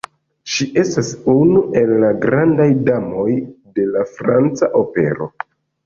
Ŝi estas unu el la grandaj damoj de la franca opero.